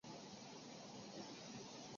该机也可以空中加油。